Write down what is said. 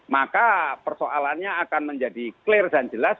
maka persoalannya akan menjadi clear dan jelas